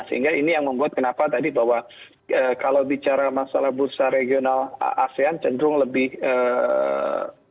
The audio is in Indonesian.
sehingga ini yang membuat kenapa tadi bahwa kalau bicara masalah bursa regional asean cenderung lebih positif dilihat oleh marble